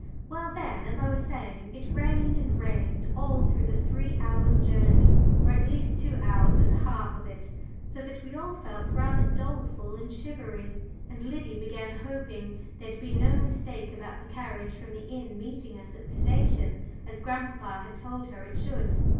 Well then, as I was saying, it rained and rained all through the three hours' journey, or at least two hours and a half of it, so that we all felt rather doleful and shivery, and Liddy began hoping there'd be no mistake about the carriage from the inn meeting us at the station, as grandpapa had told her it should.